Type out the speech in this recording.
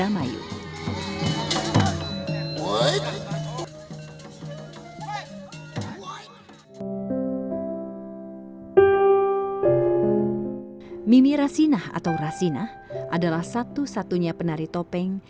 mimi rasina atau rasina adalah satu satunya penari topeng